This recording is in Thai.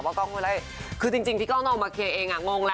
ว่ากล้องอะไรคือจริงพี่กล้องนอกมาเคลียร์เองอะงงละ